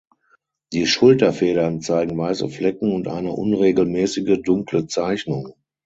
Die Schulterfedern zeigen weiße Flecken und eine unregelmäßige dunkle Zeichnung.